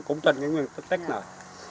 cũng tên cái nguyên tức này